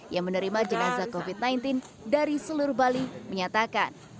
yang menerima jenazah covid sembilan belas dari seluruh bali menyatakan